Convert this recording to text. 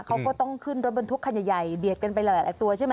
เขาก็ต้องขึ้นรถบรรทุกคันใหญ่เบียดกันไปหลายตัวใช่ไหม